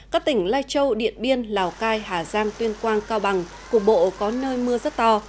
các tỉnh lai châu điện biên lào cai hà giang tuyên quang cao bằng cục bộ có nơi mưa rất to